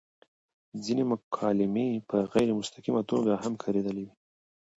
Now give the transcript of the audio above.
ځينې مکالمې په غېر مستقيمه توګه هم کاريدلي وې